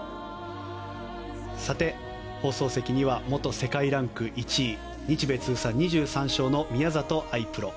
さて、放送席には元世界ランク１位日米通算２３勝の宮里藍プロ。